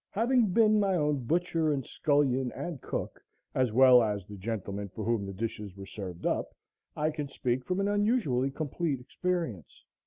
Having been my own butcher and scullion and cook, as well as the gentleman for whom the dishes were served up, I can speak from an unusually complete experience.